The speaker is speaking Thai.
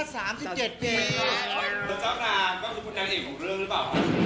เจ้าหน่างก็คือคุณแห่งเอกของเรื่องหรือเปล่า